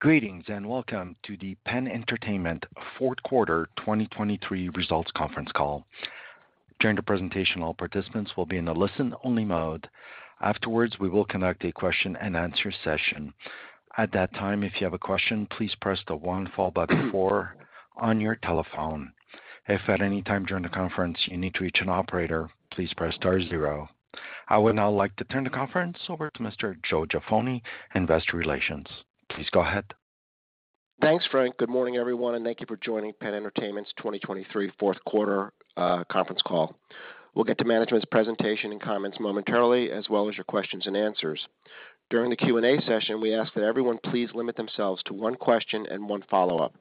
Greetings and welcome to the PENN Entertainment fourth quarter 2023 results conference call. During the presentation, all participants will be in a listen-only mode. Afterwards, we will conduct a question-and-answer session. At that time, if you have a question, please press the one followed by the four on your telephone. If at any time during the conference you need to reach an operator, please press star zero. I would now like to turn the conference over to Mr. Joe Jaffoni, Investor Relations. Please go ahead. Thanks, Frank. Good morning, everyone, and thank you for joining PENN Entertainment's 2023 fourth quarter conference call. We'll get to management's presentation and comments momentarily, as well as your questions and answers. During the Q&A session, we ask that everyone please limit themselves to one question and one follow-up.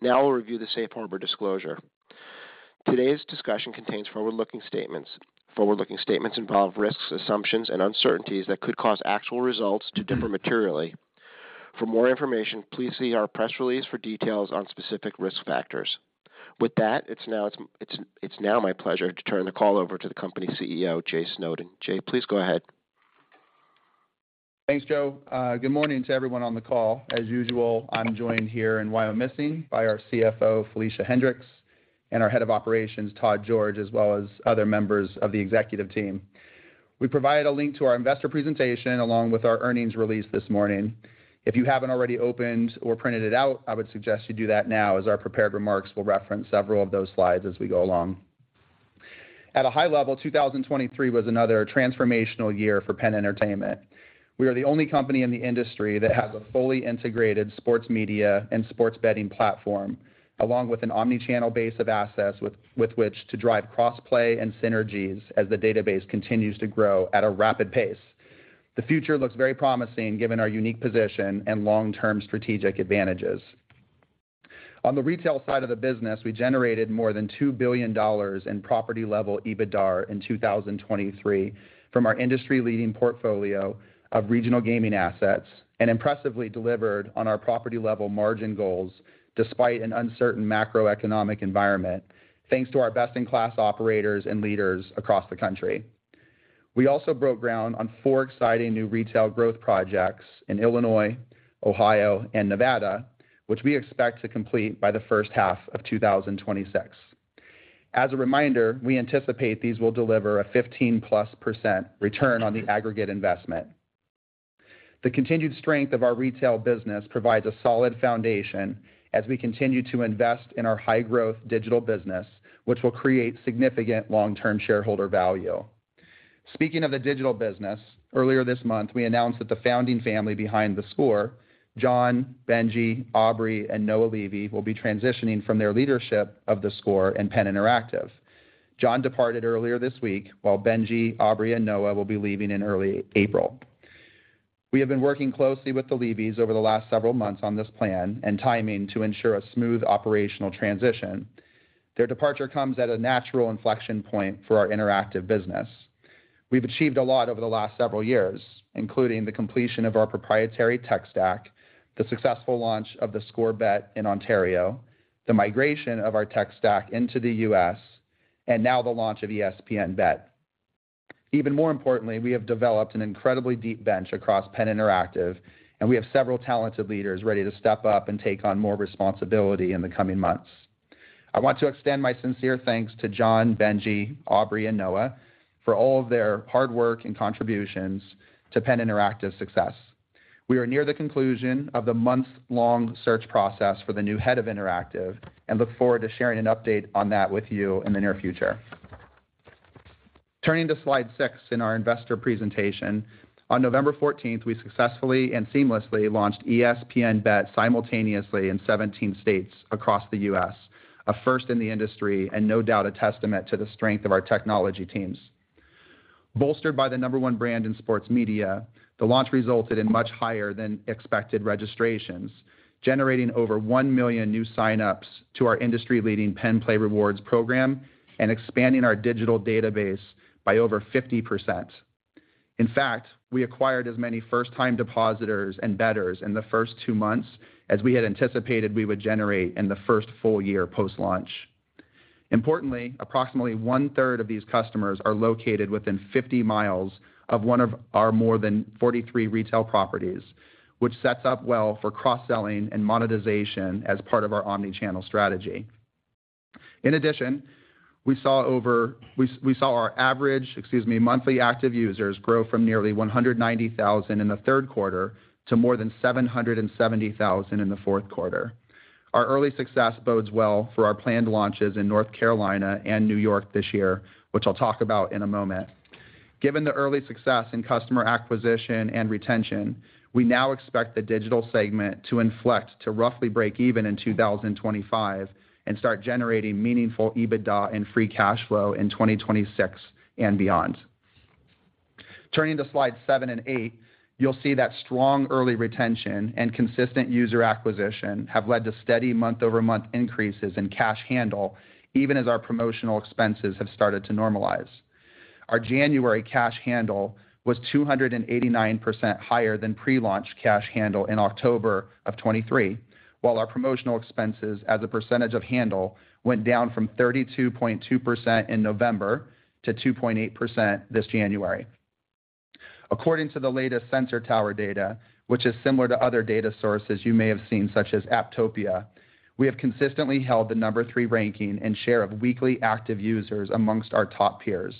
Now we'll review the Safe Harbor disclosure. Today's discussion contains forward-looking statements. Forward-looking statements involve risks, assumptions, and uncertainties that could cause actual results to differ materially. For more information, please see our press release for details on specific risk factors. With that, it's now my pleasure to turn the call over to the company CEO, Jay Snowden. Jay, please go ahead. Thanks, Joe. Good morning to everyone on the call. As usual, I'm joined here in Wyomissing by our CFO, Felicia Hendrix, and our head of operations, Todd George, as well as other members of the executive team. We provide a link to our investor presentation along with our earnings release this morning. If you haven't already opened or printed it out, I would suggest you do that now, as our prepared remarks will reference several of those slides as we go along. At a high level, 2023 was another transformational year for PENN Entertainment. We are the only company in the industry that has a fully integrated sports media and sports betting platform, along with an omnichannel base of assets with which to drive cross-play and synergies as the database continues to grow at a rapid pace. The future looks very promising given our unique position and long-term strategic advantages. On the retail side of the business, we generated more than $2 billion in property-level EBITDA in 2023 from our industry-leading portfolio of regional gaming assets and impressively delivered on our property-level margin goals despite an uncertain macroeconomic environment, thanks to our best-in-class operators and leaders across the country. We also broke ground on four exciting new retail growth projects in Illinois, Ohio, and Nevada, which we expect to complete by the first half of 2026. As a reminder, we anticipate these will deliver a 15%+ return on the aggregate investment. The continued strength of our retail business provides a solid foundation as we continue to invest in our high-growth digital business, which will create significant long-term shareholder value. Speaking of the digital business, earlier this month we announced that the founding family behind theScore, John, Benjie, Aubrey, and Noah Levy, will be transitioning from their leadership of theScore in PENN Interactive. John departed earlier this week, while Benjie, Aubrey, and Noah will be leaving in early April. We have been working closely with the Levys over the last several months on this plan and timing to ensure a smooth operational transition. Their departure comes at a natural inflection point for our interactive business. We've achieved a lot over the last several years, including the completion of our proprietary tech stack, the successful launch of theScore Bet in Ontario, the migration of our tech stack into the U.S., and now the launch of ESPN Bet. Even more importantly, we have developed an incredibly deep bench across PENN Interactive, and we have several talented leaders ready to step up and take on more responsibility in the coming months. I want to extend my sincere thanks to John, Benji, Aubrey, and Noah for all of their hard work and contributions to PENN Interactive's success. We are near the conclusion of the months-long search process for the new head of interactive and look forward to sharing an update on that with you in the near future. Turning to Slide six in our investor presentation, on November 14th, we successfully and seamlessly launched ESPN Bet simultaneously in 17 states across the U.S., a first in the industry and no doubt a testament to the strength of our technology teams. Bolstered by the number one brand in sports media, the launch resulted in much higher-than-expected registrations, generating over 1 million new signups to our industry-leading PENN Play Rewards program and expanding our digital database by over 50%. In fact, we acquired as many first-time depositors and bettors in the first two months as we had anticipated we would generate in the first full year post-launch. Importantly, approximately 1/3 of these customers are located within 50 mi of one of our more than 43 retail properties, which sets up well for cross-selling and monetization as part of our omnichannel strategy. In addition, we saw our average, excuse me, monthly active users grow from nearly 190,000 in the third quarter to more than 770,000 in the fourth quarter. Our early success bodes well for our planned launches in North Carolina and New York this year, which I'll talk about in a moment. Given the early success in customer acquisition and retention, we now expect the digital segment to inflect to roughly break even in 2025 and start generating meaningful EBITDA and free cash flow in 2026 and beyond. Turning to Slides seven and eight, you'll see that strong early retention and consistent user acquisition have led to steady month-over-month increases in cash handle, even as our promotional expenses have started to normalize. Our January cash handle was 289% higher than pre-launch cash handle in October of 2023, while our promotional expenses as a percentage of handle went down from 32.2% in November to 2.8% this January. According to the latest Sensor Tower data, which is similar to other data sources you may have seen such as Apptopia, we have consistently held the number three ranking in share of weekly active users amongst our top peers,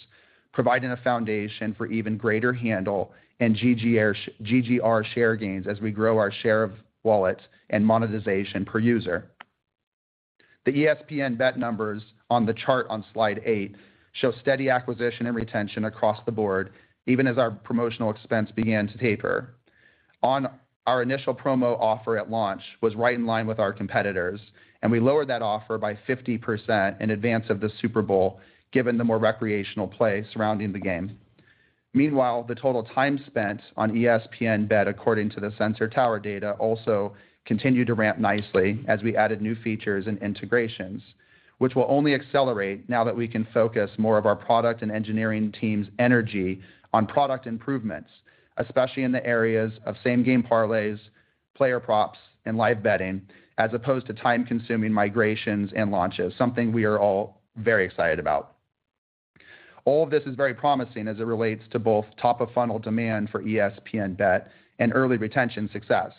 providing a foundation for even greater handle and GGR share gains as we grow our share of wallet and monetization per user. The ESPN Bet numbers on the chart on Slide eight show steady acquisition and retention across the board, even as our promotional expense began to taper. Our initial promo offer at launch was right in line with our competitors, and we lowered that offer by 50% in advance of the Super Bowl, given the more recreational play surrounding the game. Meanwhile, the total time spent on ESPN Bet, according to the Sensor Tower data, also continued to ramp nicely as we added new features and integrations, which will only accelerate now that we can focus more of our product and engineering team's energy on product improvements, especially in the areas of same-game parlays, player props, and live betting, as opposed to time-consuming migrations and launches, something we are all very excited about. All of this is very promising as it relates to both top-of-funnel demand for ESPN Bet and early retention success.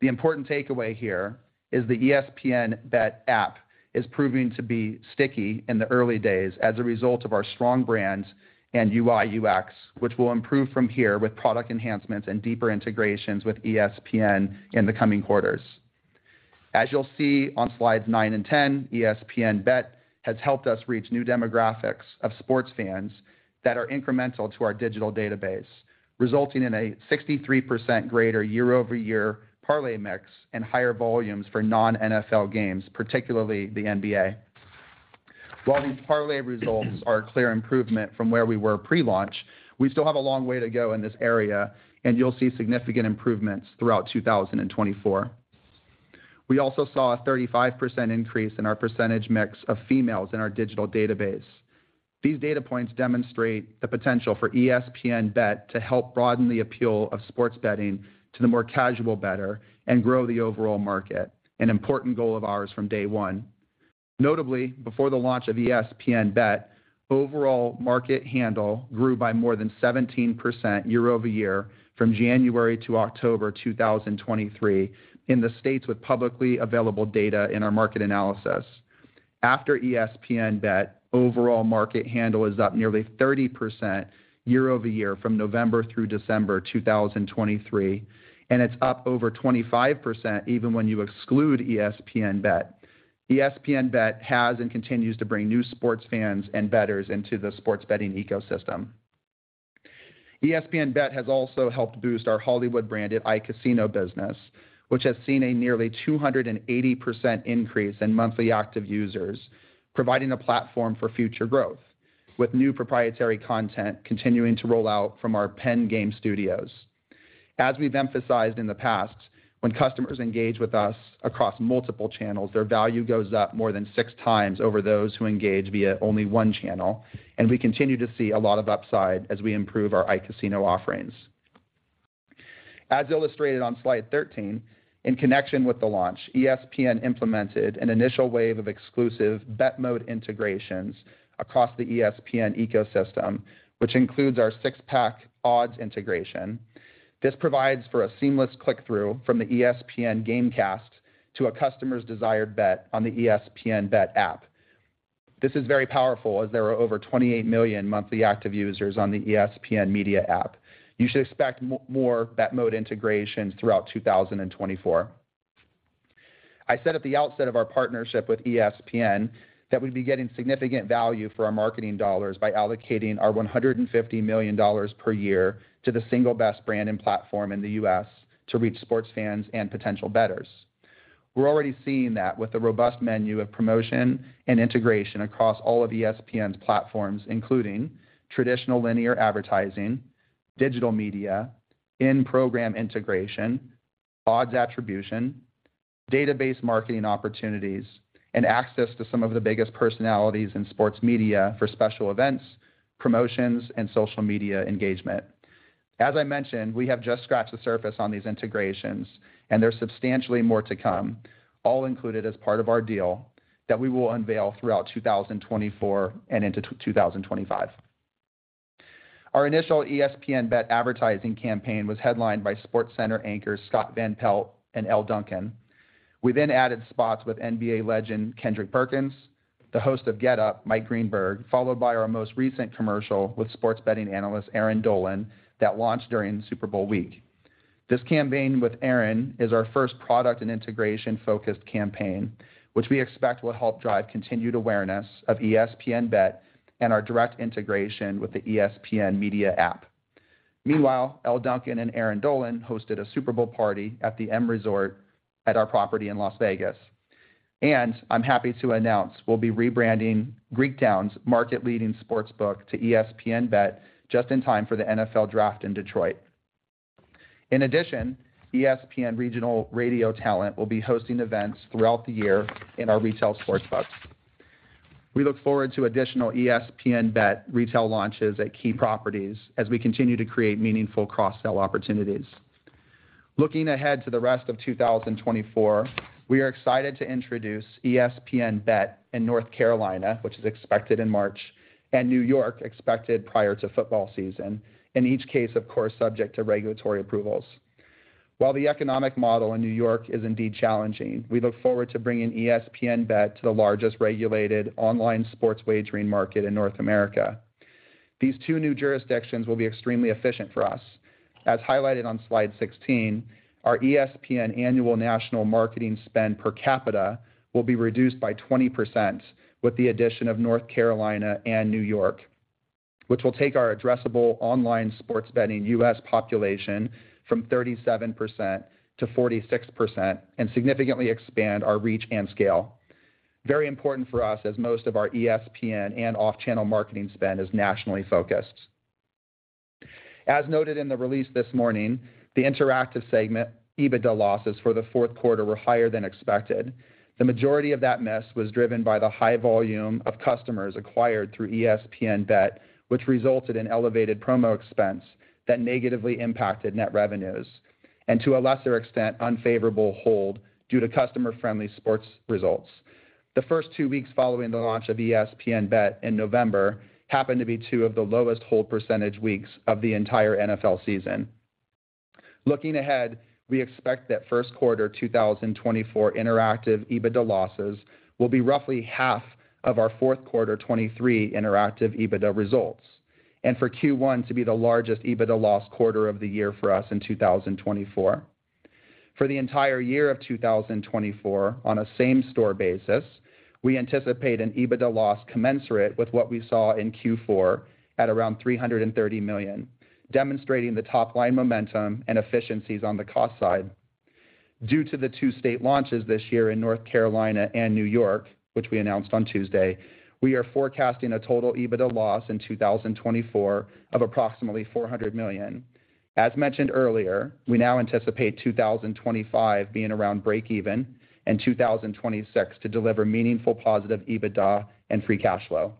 The important takeaway here is the ESPN Bet app is proving to be sticky in the early days as a result of our strong brand and UI/UX, which will improve from here with product enhancements and deeper integrations with ESPN in the coming quarters. As you'll see on Slides nine and 10, ESPN Bet has helped us reach new demographics of sports fans that are incremental to our digital database, resulting in a 63% greater year-over-year parlay mix and higher volumes for non-NFL games, particularly the NBA. While these parlay results are a clear improvement from where we were pre-launch, we still have a long way to go in this area, and you'll see significant improvements throughout 2024. We also saw a 35% increase in our percentage mix of females in our digital database. These data points demonstrate the potential for ESPN Bet to help broaden the appeal of sports betting to the more casual better and grow the overall market, an important goal of ours from day one. Notably, before the launch of ESPN Bet, overall market handle grew by more than 17% year-over-year from January to October 2023 in the states with publicly available data in our market analysis. After ESPN Bet, overall market handle is up nearly 30% year-over-year from November through December 2023, and it's up over 25% even when you exclude ESPN Bet. ESPN Bet has and continues to bring new sports fans and betters into the sports betting ecosystem. ESPN Bet has also helped boost our Hollywood-branded iCasino business, which has seen a nearly 280% increase in monthly active users, providing a platform for future growth, with new proprietary content continuing to roll out from our PENN Game Studios. As we've emphasized in the past, when customers engage with us across multiple channels, their value goes up more than six times over those who engage via only one channel, and we continue to see a lot of upside as we improve our iCasino offerings. As illustrated on Slide 13, in connection with the launch, ESPN implemented an initial wave of exclusive Bet Mode integrations across the ESPN ecosystem, which includes our six-pack odds integration. This provides for a seamless click-through from the ESPN GameCast to a customer's desired bet on the ESPN Bet app. This is very powerful, as there are over 28 million monthly active users on the ESPN Media app. You should expect more Bet Mode integrations throughout 2024. I said at the outset of our partnership with ESPN that we'd be getting significant value for our marketing dollars by allocating our $150 million per year to the single best brand and platform in the U.S. to reach sports fans and potential bettors. We're already seeing that with a robust menu of promotion and integration across all of ESPN's platforms, including traditional linear advertising, digital media, in-program integration, odds attribution, database marketing opportunities, and access to some of the biggest personalities in sports media for special events, promotions, and social media engagement. As I mentioned, we have just scratched the surface on these integrations, and there's substantially more to come, all included as part of our deal that we will unveil throughout 2024 and into 2025. Our initial ESPN Bet advertising campaign was headlined by SportsCenter anchors Scott Van Pelt and Elle Duncan. We then added spots with NBA legend Kendrick Perkins, the host of Get Up, Mike Greenberg, followed by our most recent commercial with sports betting analyst Aaron Dolan that launched during Super Bowl Week. This campaign with Aaron is our first product and integration-focused campaign, which we expect will help drive continued awareness of ESPN Bet and our direct integration with the ESPN Media app. Meanwhile, Elle Duncan and Erin Dolan hosted a Super Bowl party at the M Resort at our property in Las Vegas. I'm happy to announce we'll be rebranding Greektown's market-leading sportsbook to ESPN Bet just in time for the NFL Draft in Detroit. In addition, ESPN Regional Radio Talent will be hosting events throughout the year in our retail sportsbooks. We look forward to additional ESPN Bet retail launches at key properties as we continue to create meaningful cross-sell opportunities. Looking ahead to the rest of 2024, we are excited to introduce ESPN Bet in North Carolina, which is expected in March, and New York, expected prior to football season, in each case, of course, subject to regulatory approvals. While the economic model in New York is indeed challenging, we look forward to bringing ESPN Bet to the largest regulated online sports wagering market in North America. These two new jurisdictions will be extremely efficient for us. As highlighted on Slide 16, our ESPN annual national marketing spend per capita will be reduced by 20% with the addition of North Carolina and New York, which will take our addressable online sports betting U.S. population from 37%-46% and significantly expand our reach and scale. Very important for us as most of our ESPN and off-channel marketing spend is nationally focused. As noted in the release this morning, the interactive segment EBITDA losses for the fourth quarter were higher than expected. The majority of that miss was driven by the high volume of customers acquired through ESPN Bet, which resulted in elevated promo expense that negatively impacted net revenues, and to a lesser extent, unfavorable hold due to customer-friendly sports results. The first two weeks following the launch of ESPN Bet in November happened to be two of the lowest hold percentage weeks of the entire NFL season. Looking ahead, we expect that first quarter 2024 interactive EBITDA losses will be roughly half of our fourth quarter 2023 interactive EBITDA results, and for Q1 to be the largest EBITDA loss quarter of the year for us in 2024. For the entire year of 2024, on a same-store basis, we anticipate an EBITDA loss commensurate with what we saw in Q4 at around $330 million, demonstrating the top-line momentum and efficiencies on the cost side. Due to the two state launches this year in North Carolina and New York, which we announced on Tuesday, we are forecasting a total EBITDA loss in 2024 of approximately $400 million. As mentioned earlier, we now anticipate 2025 being around break-even and 2026 to deliver meaningful positive EBITDA and free cash flow.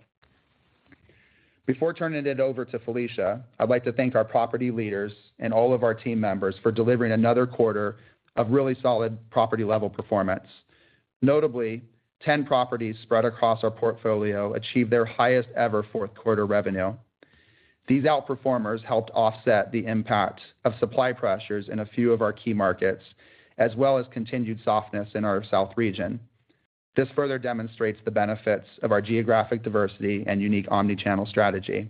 Before turning it over to Felicia, I'd like to thank our property leaders and all of our team members for delivering another quarter of really solid property-level performance. Notably, 10 properties spread across our portfolio achieved their highest-ever fourth-quarter revenue. These outperformers helped offset the impact of supply pressures in a few of our key markets, as well as continued softness in our South region. This further demonstrates the benefits of our geographic diversity and unique omnichannel strategy.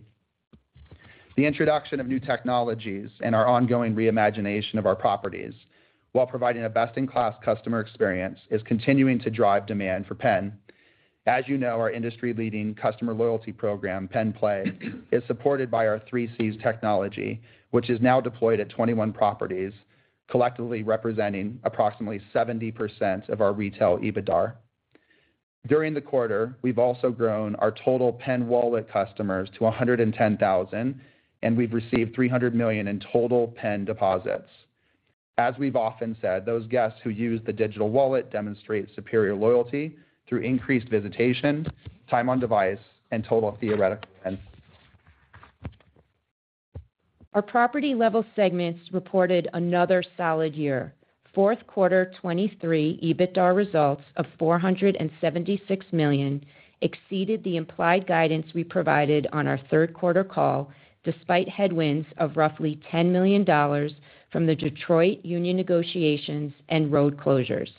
The introduction of new technologies and our ongoing reimagination of our properties, while providing a best-in-class customer experience, is continuing to drive demand for PENN. As you know, our industry-leading customer loyalty program, Penn Play, is supported by our 3Cs technology, which is now deployed at 21 properties, collectively representing approximately 70% of our retail EBITDA. During the quarter, we've also grown our total PENN Wallet customers to 110,000, and we've received $300 million in total PENN deposits. As we've often said, those guests who use the digital wallet demonstrate superior loyalty through increased visitation, time on device, and total theoretical events. Our property-level segments reported another solid year. Fourth quarter 2023 EBITDA results of $476 million exceeded the implied guidance we provided on our third-quarter call, despite headwinds of roughly $10 million from the Detroit Union negotiations and road closures.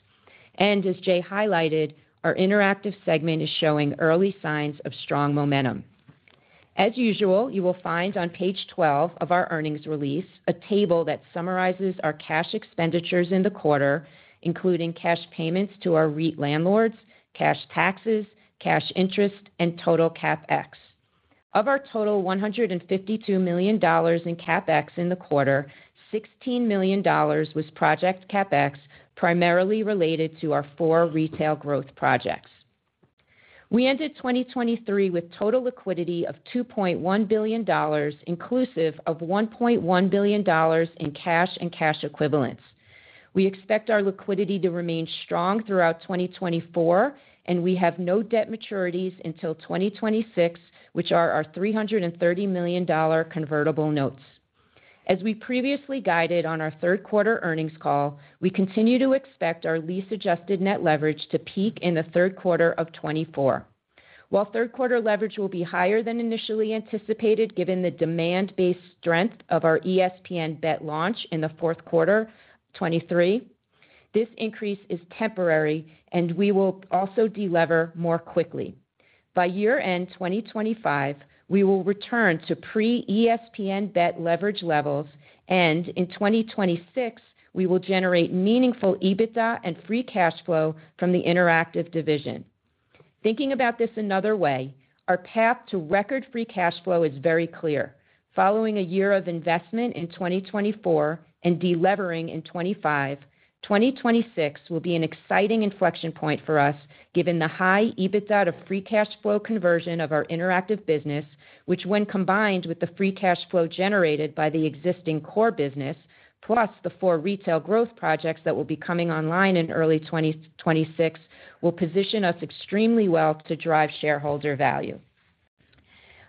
As Jay highlighted, our interactive segment is showing early signs of strong momentum. As usual, you will find on page 12 of our earnings release a table that summarizes our cash expenditures in the quarter, including cash payments to our REIT landlords, cash taxes, cash interest, and total CapEx. Of our total $152 million in CapEx in the quarter, $16 million was project CapEx, primarily related to our four retail growth projects. We ended 2023 with total liquidity of $2.1 billion, inclusive of $1.1 billion in cash and cash equivalents. We expect our liquidity to remain strong throughout 2024, and we have no debt maturities until 2026, which are our $330 million convertible notes. As we previously guided on our third-quarter earnings call, we continue to expect our least-adjusted net leverage to peak in the third quarter of 2024. While third-quarter leverage will be higher than initially anticipated given the demand-based strength of our ESPN Bet launch in the fourth quarter 2023, this increase is temporary, and we will also delever more quickly. By year-end 2025, we will return to pre-ESPN Bet leverage levels, and in 2026, we will generate meaningful EBITDA and free cash flow from the interactive division. Thinking about this another way, our path to record free cash flow is very clear. Following a year of investment in 2024 and delevering in 2025, 2026 will be an exciting inflection point for us given the high EBITDA to free cash flow conversion of our interactive business, which, when combined with the free cash flow generated by the existing core business plus the 4 retail growth projects that will be coming online in early 2026, will position us extremely well to drive shareholder value.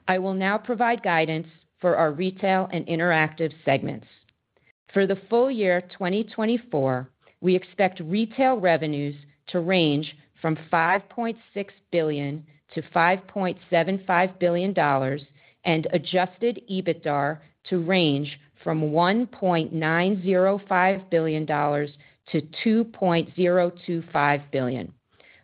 I will now provide guidance for our retail and interactive segments. For the full year 2024, we expect retail revenues to range from $5.6 billion-$5.75 billion, and adjusted EBITDA to range from $1.905 billion-$2.025 billion.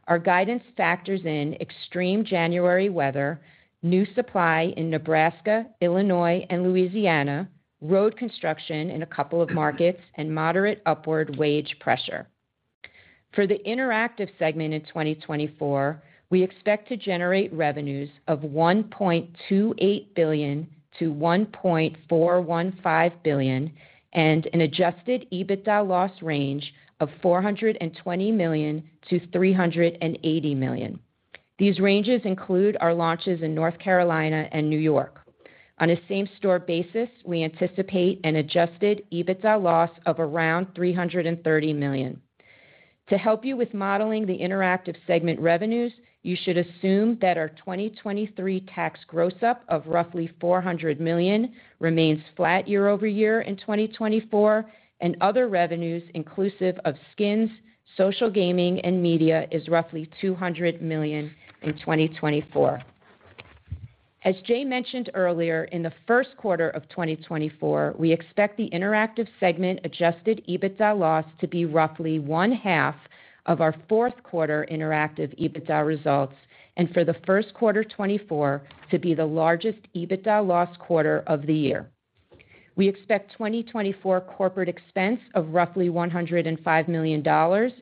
Our guidance factors in extreme January weather, new supply in Nebraska, Illinois, and Louisiana, road construction in a couple of markets, and moderate upward wage pressure. For the interactive segment in 2024, we expect to generate revenues of $1.28 billion-$1.415 billion, and an adjusted EBITDA loss range of $420 million-$380 million. These ranges include our launches in North Carolina and New York. On a same-store basis, we anticipate an adjusted EBITDA loss of around $330 million. To help you with modeling the interactive segment revenues, you should assume that our 2023 tax growth-up of roughly $400 million remains flat year-over-year in 2024, and other revenues, inclusive of skins, social gaming, and media, is roughly $200 million in 2024. As Jay mentioned earlier, in the first quarter of 2024, we expect the interactive segment adjusted EBITDA loss to be roughly one-half of our fourth-quarter interactive EBITDA results, and for the first quarter 2024 to be the largest EBITDA loss quarter of the year. We expect 2024 corporate expense of roughly $105 million,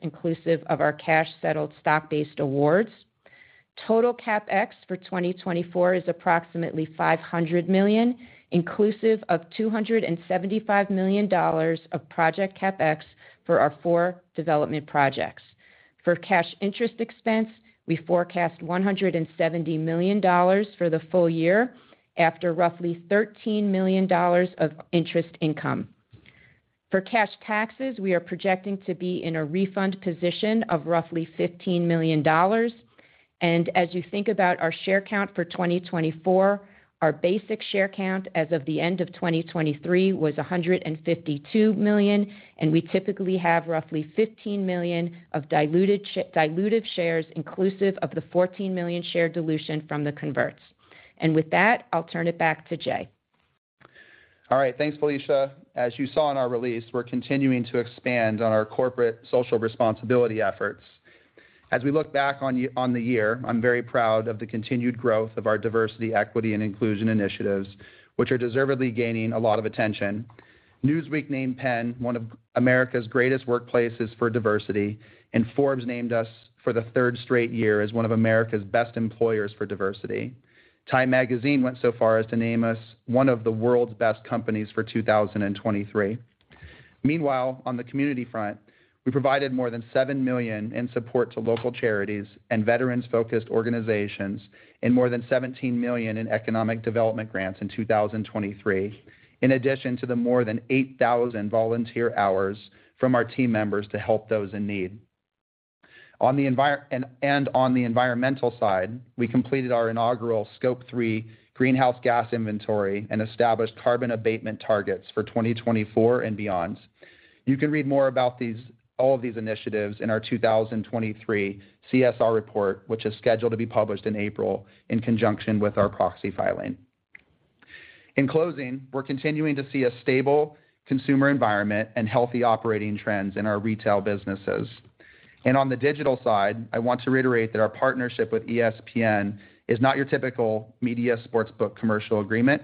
inclusive of our cash-settled stock-based awards. Total CapEx for 2024 is approximately $500 million, inclusive of $275 million of project CapEx for our four development projects. For cash interest expense, we forecast $170 million for the full year after roughly $13 million of interest income. For cash taxes, we are projecting to be in a refund position of roughly $15 million. And as you think about our share count for 2024, our basic share count as of the end of 2023 was 152 million, and we typically have roughly 15 million of diluted shares, inclusive of the 14 million share dilution from the converts. And with that, I'll turn it back to Jay. All right. Thanks, Felicia. As you saw in our release, we're continuing to expand on our corporate social responsibility efforts. As we look back on the year, I'm very proud of the continued growth of our diversity, equity, and inclusion initiatives, which are deservedly gaining a lot of attention. Newsweek named Penn one of America's greatest workplaces for diversity, and Forbes named us for the third straight year as one of America's best employers for diversity. Time Magazine went so far as to name us one of the world's best companies for 2023. Meanwhile, on the community front, we provided more than $7 million in support to local charities and veterans-focused organizations, and more than $17 million in economic development grants in 2023, in addition to the more than 8,000 volunteer hours from our team members to help those in need. On the environmental side, we completed our inaugural Scope 3 Greenhouse Gas Inventory and established carbon abatement targets for 2024 and beyond. You can read more about all of these initiatives in our 2023 CSR report, which is scheduled to be published in April in conjunction with our proxy filing. In closing, we're continuing to see a stable consumer environment and healthy operating trends in our retail businesses. On the digital side, I want to reiterate that our partnership with ESPN is not your typical media sportsbook commercial agreement.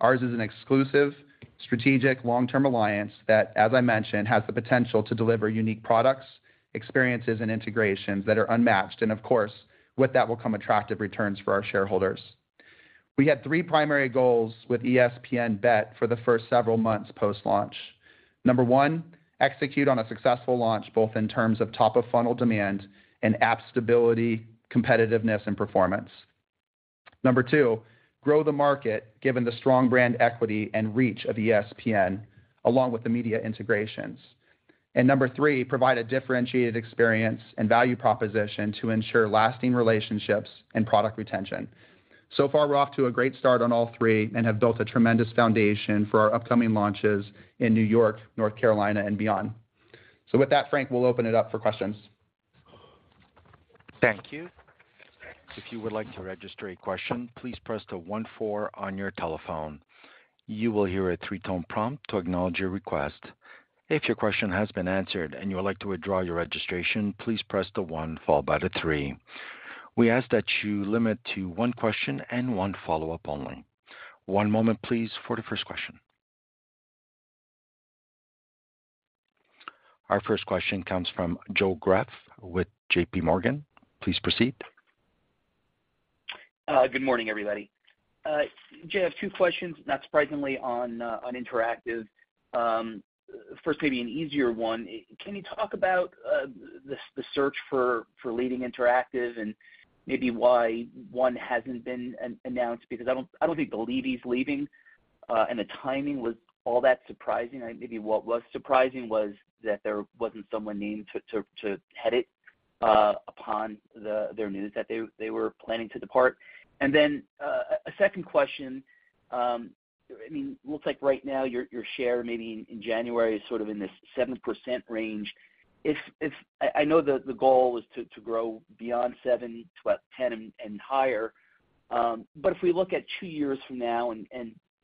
Ours is an exclusive, strategic, long-term alliance that, as I mentioned, has the potential to deliver unique products, experiences, and integrations that are unmatched, and, of course, with that will come attractive returns for our shareholders. We had three primary goals with ESPN Bet for the first several months post-launch. Number one, execute on a successful launch both in terms of top-of-funnel demand and app stability, competitiveness, and performance. Number two, grow the market given the strong brand equity and reach of ESPN, along with the media integrations. And number three, provide a differentiated experience and value proposition to ensure lasting relationships and product retention. So far, we're off to a great start on all three and have built a tremendous foundation for our upcoming launches in New York, North Carolina, and beyond. So with that, Frank, we'll open it up for questions. Thank you. If you would like to register a question, please press the one, four on your telephone. You will hear a three-tone prompt to acknowledge your request. If your question has been answered and you would like to withdraw your registration, please press the one followed by the three. We ask that you limit to one question and one follow-up only. One moment, please, for the first question. Our first question comes from Joe Greff with JPMorgan. Please proceed. Good morning, everybody. Jay, I have two questions, not surprisingly, on Interactive. First, maybe an easier one. Can you talk about the search for leading Interactive and maybe why one hasn't been announced? Because I don't think the lead is leaving, and the timing was all that surprising. Maybe what was surprising was that there wasn't someone named to head it upon their news that they were planning to depart. Then a second question. I mean, it looks like right now your share, maybe in January, is sort of in this 7% range. I know the goal is to grow beyond 7%-10% and higher, but if we look at two years from now and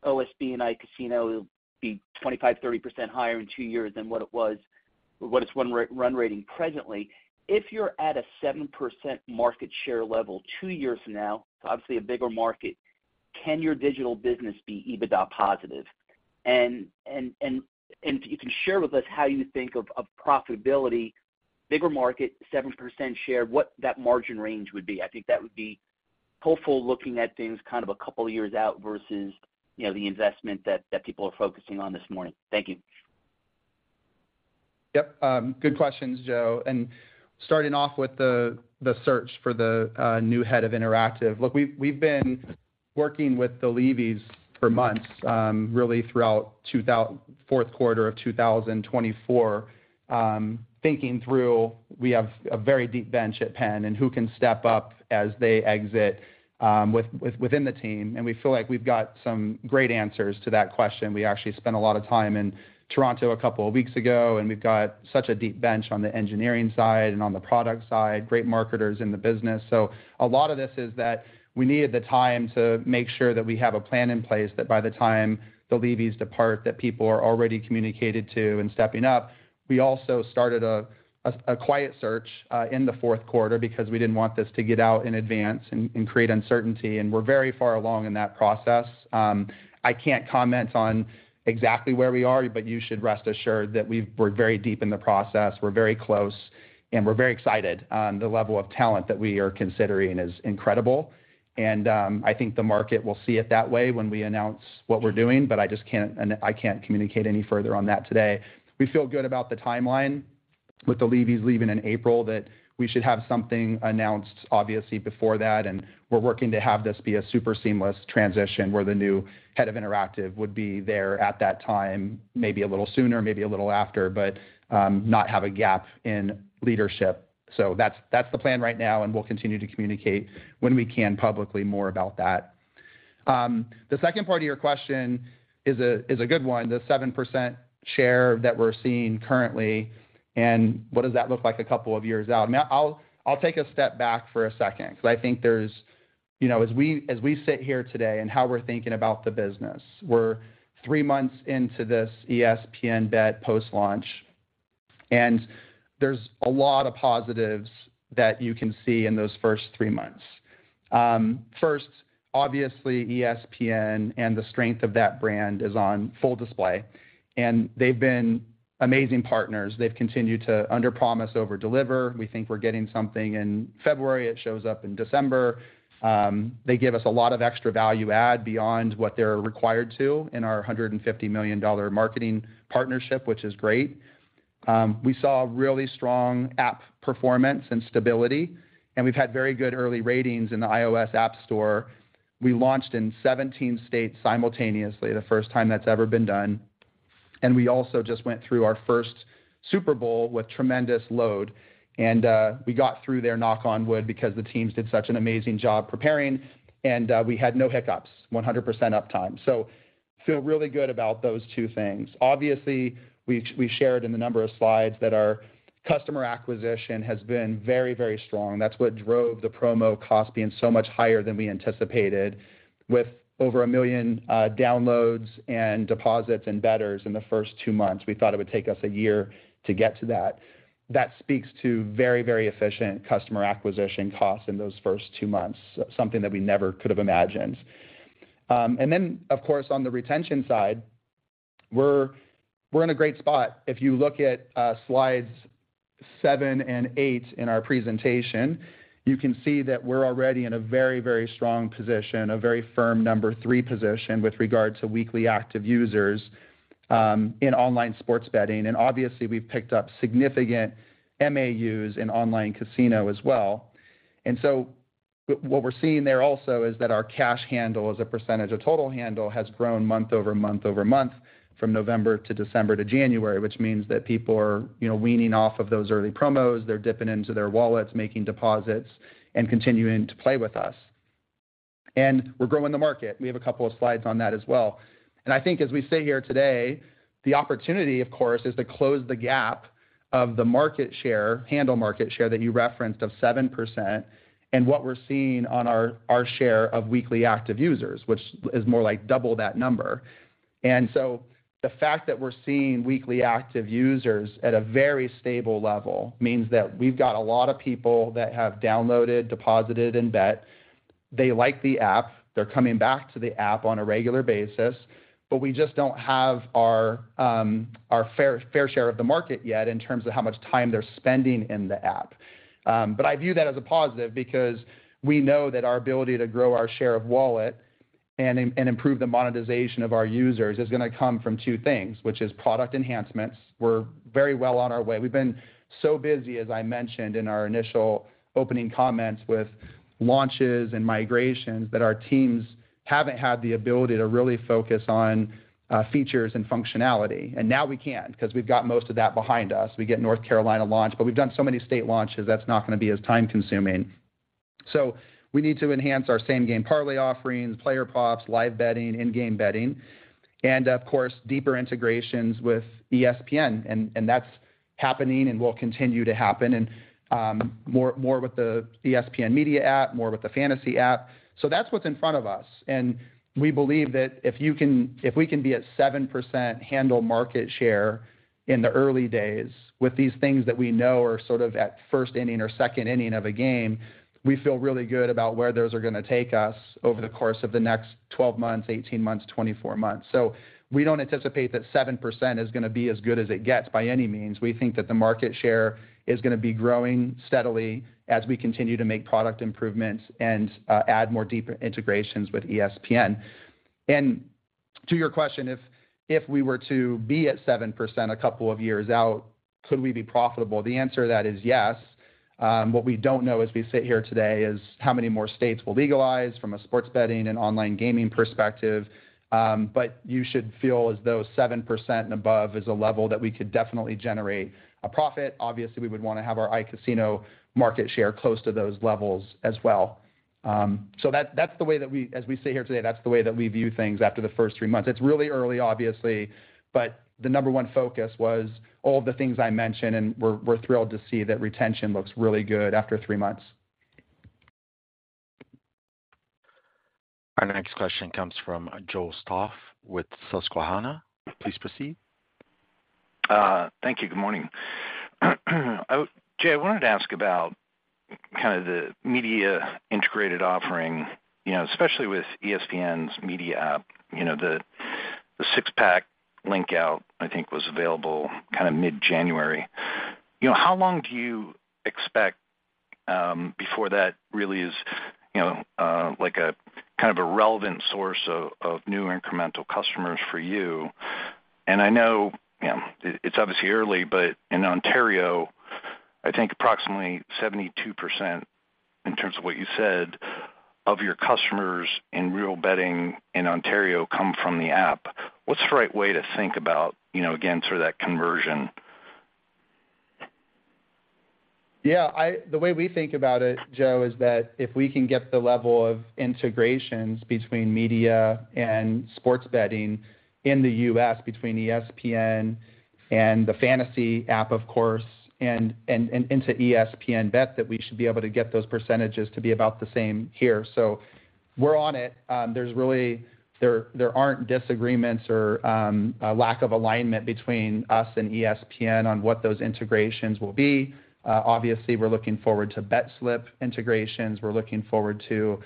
OSB and iCasino will be 25%-30% higher in two years than what it's run rating presently. If you're at a 7% market share level two years from now, so obviously a bigger market, can your digital business be EBITDA positive? And if you can share with us how you think of profitability, bigger market, 7% share, what that margin range would be. I think that would be hopeful looking at things kind of a couple of years out versus the investment that people are focusing on this morning. Thank you. Yep. Good questions, Joe. And starting off with the search for the new head of Interactive. Look, we've been working with the Levy's for months, really throughout fourth quarter of 2024, thinking through we have a very deep bench at Penn and who can step up as they exit within the team. And we feel like we've got some great answers to that question. We actually spent a lot of time in Toronto a couple of weeks ago, and we've got such a deep bench on the engineering side and on the product side, great marketers in the business. So a lot of this is that we needed the time to make sure that we have a plan in place that by the time the Levy's depart, that people are already communicated to and stepping up. We also started a quiet search in the fourth quarter because we didn't want this to get out in advance and create uncertainty, and we're very far along in that process. I can't comment on exactly where we are, but you should rest assured that we're very deep in the process, we're very close, and we're very excited. The level of talent that we are considering is incredible. And I think the market will see it that way when we announce what we're doing, but I can't communicate any further on that today. We feel good about the timeline with the Levy's leaving in April, that we should have something announced, obviously, before that, and we're working to have this be a super seamless transition where the new head of Interactive would be there at that time, maybe a little sooner, maybe a little after, but not have a gap in leadership. So that's the plan right now, and we'll continue to communicate when we can publicly more about that. The second part of your question is a good one, the 7% share that we're seeing currently, and what does that look like a couple of years out? I mean, I'll take a step back for a second because I think there's, as we sit here today and how we're thinking about the business, we're three months into this ESPN Bet post-launch, and there's a lot of positives that you can see in those first three months. First, obviously, ESPN and the strength of that brand is on full display, and they've been amazing partners. They've continued to under promise over deliver. We think we're getting something in February. It shows up in December. They give us a lot of extra value add beyond what they're required to in our $150 million marketing partnership, which is great. We saw really strong app performance and stability, and we've had very good early ratings in the iOS app Store. We launched in 17 states simultaneously, the first time that's ever been done. We also just went through our first Super Bowl with tremendous load, and we got through there knock on wood because the teams did such an amazing job preparing, and we had no hiccups, 100% uptime. So I feel really good about those two things. Obviously, we've shared in a number of slides that our customer acquisition has been very, very strong. That's what drove the promo cost being so much higher than we anticipated. With over 1 million downloads and deposits and bettors in the first two months, we thought it would take us a year to get to that. That speaks to very, very efficient customer acquisition costs in those first two months, something that we never could have imagined. And then, of course, on the retention side, we're in a great spot. If you look at Slides seven and eight in our presentation, you can see that we're already in a very, very strong position, a very firm number three position with regard to weekly active users in online sports betting. And obviously, we've picked up significant MAUs in online casino as well. And so what we're seeing there also is that our cash handle as a percentage of total handle has grown month-over-month from November to December to January, which means that people are weaning off of those early promos, they're dipping into their wallets, making deposits, and continuing to play with us. And we're growing the market. We have a couple of slides on that as well. I think as we sit here today, the opportunity, of course, is to close the gap of the market share, handle market share that you referenced of 7%, and what we're seeing on our share of weekly active users, which is more like double that number. So the fact that we're seeing weekly active users at a very stable level means that we've got a lot of people that have downloaded, deposited, and bet. They like the app, they're coming back to the app on a regular basis, but we just don't have our fair share of the market yet in terms of how much time they're spending in the app. But I view that as a positive because we know that our ability to grow our share of wallet and improve the monetization of our users is going to come from two things, which is product enhancements. We're very well on our way. We've been so busy, as I mentioned in our initial opening comments, with launches and migrations that our teams haven't had the ability to really focus on features and functionality. And now we can because we've got most of that behind us. We get North Carolina launched, but we've done so many state launches that's not going to be as time-consuming. So we need to enhance our Same-Game Parlay offerings, player props, live betting, in-game betting, and, of course, deeper integrations with ESPN. And that's happening and will continue to happen, and more with the ESPN media app, more with the Fantasy app. That's what's in front of us. We believe that if we can be at 7% handle market share in the early days with these things that we know are sort of at first inning or second inning of a game, we feel really good about where those are going to take us over the course of the next 12 months, 18 months, 24 months. We don't anticipate that 7% is going to be as good as it gets by any means. We think that the market share is going to be growing steadily as we continue to make product improvements and add more deeper integrations with ESPN. To your question, if we were to be at 7% a couple of years out, could we be profitable? The answer to that is yes. What we don't know as we sit here today is how many more states we'll legalize from a sports betting and online gaming perspective. But you should feel as though 7% and above is a level that we could definitely generate a profit. Obviously, we would want to have our iCasino market share close to those levels as well. So that's the way that we as we sit here today, that's the way that we view things after the first three months. It's really early, obviously, but the number one focus was all of the things I mentioned, and we're thrilled to see that retention looks really good after three months. Our next question comes from Joe Stauff with Susquehanna. Please proceed. Thank you. Good morning. Jay, I wanted to ask about kind of the media integrated offering, especially with ESPN's media app. The six-pack link out, I think, was available kind of mid-January. How long do you expect before that really is like a kind of a relevant source of new incremental customers for you? And I know it's obviously early, but in Ontario, I think approximately 72% in terms of what you said of your customers in real betting in Ontario come from the app. What's the right way to think about, again, sort of that conversion? Yeah. The way we think about it, Joe, is that if we can get the level of integrations between media and sports betting in the U.S., between ESPN and the Fantasy app, of course, and into ESPN Bet, that we should be able to get those percentages to be about the same here. So we're on it. There aren't disagreements or lack of alignment between us and ESPN on what those integrations will be. Obviously, we're looking forward to BetSlip integrations. We're looking forward to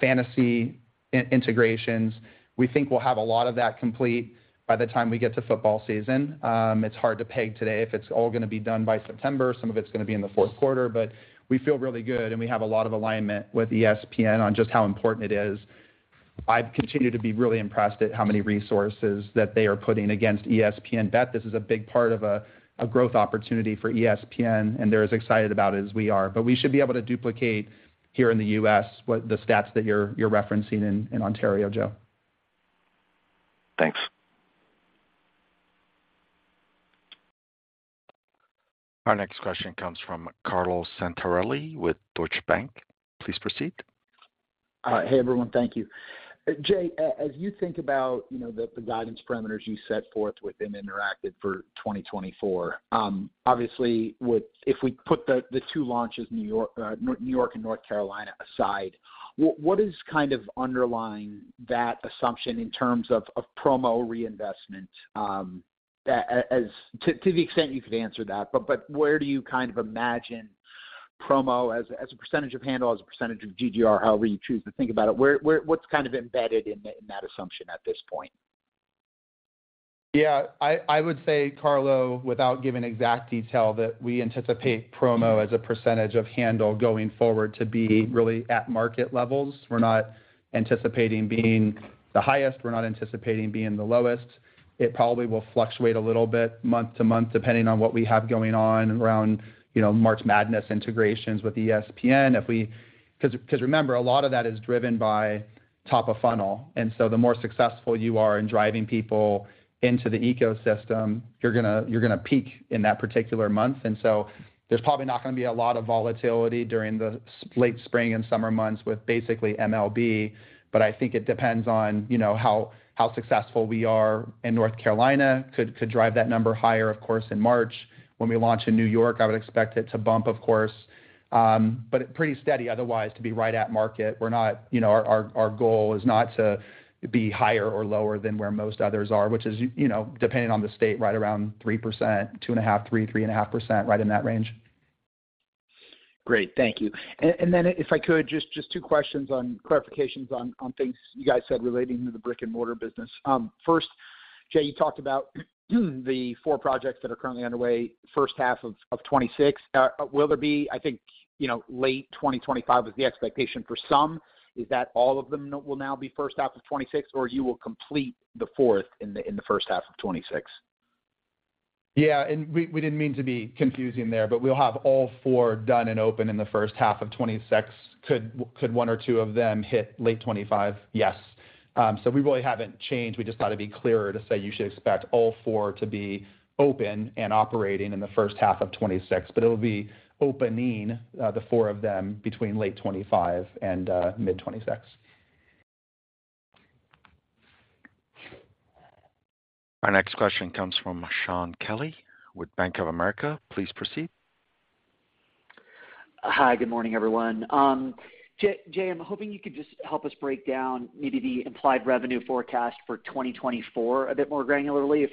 Fantasy integrations. We think we'll have a lot of that complete by the time we get to football season. It's hard to peg today if it's all going to be done by September. Some of it's going to be in the fourth quarter, but we feel really good, and we have a lot of alignment with ESPN on just how important it is. I've continued to be really impressed at how many resources that they are putting against ESPN Bet. This is a big part of a growth opportunity for ESPN, and they're as excited about it as we are. But we should be able to duplicate here in the U.S. the stats that you're referencing in Ontario, Joe. Thanks. Our next question comes from Carlo Santarelli with Deutsche Bank. Please proceed. Hey, everyone. Thank you. Jay, as you think about the guidance parameters you set forth within Interactive for 2024, obviously, if we put the two launches, New York and North Carolina, aside, what is kind of underlying that assumption in terms of promo reinvestment? To the extent you could answer that, but where do you kind of imagine promo as a percentage of handle, as a percentage of GGR, however you choose to think about it? What's kind of embedded in that assumption at this point? Yeah. I would say, Carlo, without giving exact detail, that we anticipate promo as a percentage of handle going forward to be really at market levels. We're not anticipating being the highest. We're not anticipating being the lowest. It probably will fluctuate a little bit month to month depending on what we have going on around March Madness integrations with ESPN because, remember, a lot of that is driven by top of funnel. And so the more successful you are in driving people into the ecosystem, you're going to peak in that particular month. And so there's probably not going to be a lot of volatility during the late spring and summer months with basically MLB, but I think it depends on how successful we are in North Carolina. Could drive that number higher, of course, in March. When we launch in New York, I would expect it to bump, of course, but pretty steady otherwise to be right at market. Our goal is not to be higher or lower than where most others are, which is, depending on the state, right around 3%, 2.5, 3, 3.5%, right in that range. Great. Thank you. And then, if I could, just two questions on clarifications on things you guys said relating to the brick-and-mortar business. First, Jay, you talked about the four projects that are currently underway, first half of 2026. Will there be? I think late 2025 was the expectation for some. Is that all of them will now be first half of 2026, or you will complete the fourth in the first half of 2026? Yeah. And we didn't mean to be confusing there, but we'll have all four done and open in the first half of 2026. Could one or two of them hit late 2025? Yes. So we really haven't changed. We just thought it'd be clearer to say you should expect all four to be open and operating in the first half of 2026, but it'll be opening the four of them between late 2025 and mid-2026. Our next question comes from Shaun Kelley with Bank of America. Please proceed. Hi. Good morning, everyone. Jay, I'm hoping you could just help us break down maybe the implied revenue forecast for 2024 a bit more granularly.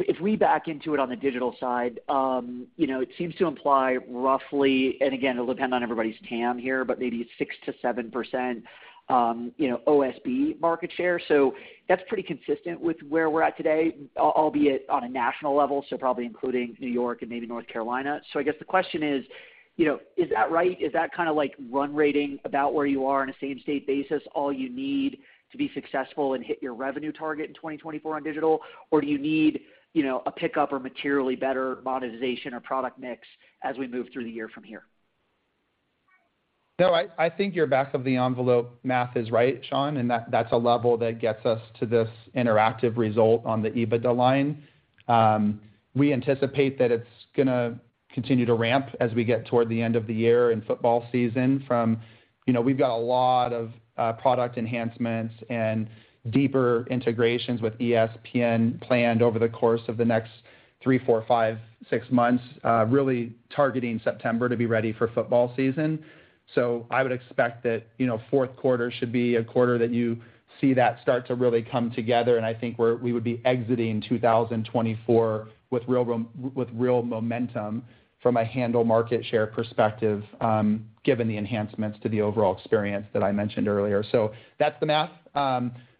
If we back into it on the digital side, it seems to imply roughly and again, it'll depend on everybody's TAM here, but maybe 6%-7% OSB market share. So that's pretty consistent with where we're at today, albeit on a national level, so probably including New York and maybe North Carolina. So I guess the question is, is that right? Is that kind of like run rating about where you are on a same-state basis all you need to be successful and hit your revenue target in 2024 on digital, or do you need a pickup or materially better monetization or product mix as we move through the year from here? No. I think your back-of-the-envelope math is right, Sean, and that's a level that gets us to this interactive result on the EBITDA line. We anticipate that it's going to continue to ramp as we get toward the end of the year and football season from we've got a lot of product enhancements and deeper integrations with ESPN planned over the course of the next three, four, five, six months, really targeting September to be ready for football season. So I would expect that fourth quarter should be a quarter that you see that start to really come together, and I think we would be exiting 2024 with real momentum from a handle market share perspective given the enhancements to the overall experience that I mentioned earlier. So that's the math.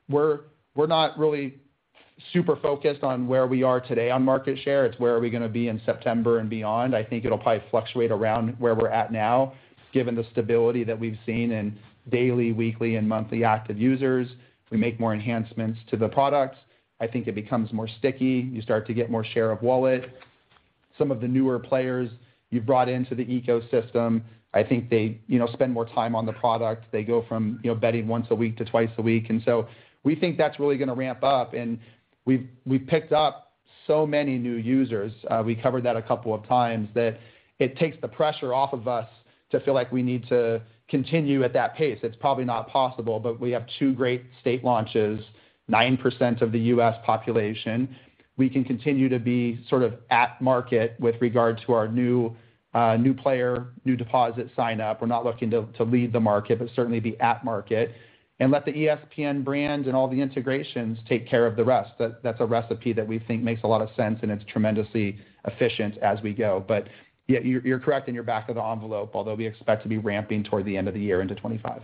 We're not really super focused on where we are today on market share. It's where are we going to be in September and beyond. I think it'll probably fluctuate around where we're at now given the stability that we've seen in daily, weekly, and monthly active users. We make more enhancements to the products. I think it becomes more sticky. You start to get more share of wallet. Some of the newer players you've brought into the ecosystem, I think they spend more time on the product. They go from betting once a week to twice a week. So we think that's really going to ramp up, and we've picked up so many new users. We covered that a couple of times that it takes the pressure off of us to feel like we need to continue at that pace. It's probably not possible, but we have two great state launches, 9% of the U.S. population. We can continue to be sort of at market with regard to our new player, new deposit signup. We're not looking to lead the market, but certainly be at market and let the ESPN brand and all the integrations take care of the rest. That's a recipe that we think makes a lot of sense, and it's tremendously efficient as we go. But you're correct, and you're back of the envelope, although we expect to be ramping toward the end of the year into 2025.